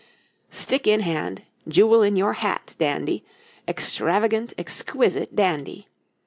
Stick in hand, jewel in your hat, dandy extravagant, exquisite dandy!